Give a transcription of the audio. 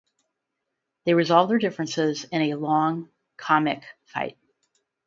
They resolve their differences in a long, comic fight.